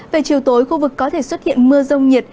về chiều tối khu vực có thể xuất hiện mưa rông nhiệt